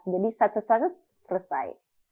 jadi saat saat saat itu selesai